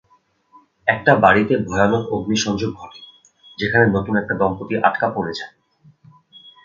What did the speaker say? একটা বাড়িতে ভয়ানক অগ্নি সংযোগ ঘটে, যেখানে নতুন একটা দম্পতি আটকা পড়ে যায়।